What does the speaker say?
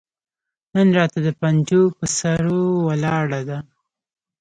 نن راته د پنجو پهٔ سرو ولاړه ده